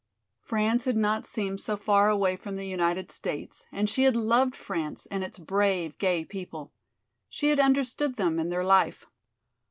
France had not seemed so far away from the United States and she had loved France and its brave, gay people. She had understood them and their life.